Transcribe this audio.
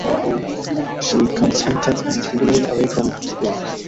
She consented, and he moved away from Aldeburgh.